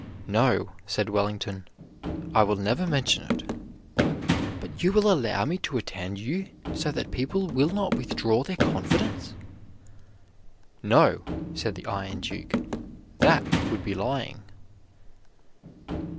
"No," said Wellington, "I will never mention it." "But you will allow me to attend you, so that people will not withdraw their confidence?" "No," said the Iron Duke, "that would be lying."